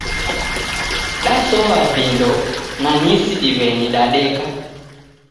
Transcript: Dasow'a vindo na ni isidiweni dadeka